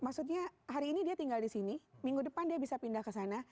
maksudnya hari ini dia tinggal di sini minggu depan dia bisa pindah ke sana